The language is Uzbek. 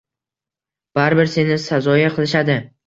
Baribir seni sazoyi qilishadi.